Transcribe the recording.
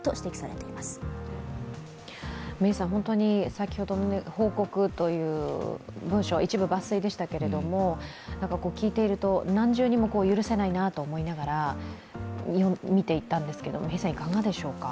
先ほどの報告という文書、一部抜粋でしたけれども聞いていると何重にも許せないなと思いながら見ていたんですが、いかがでしょうか。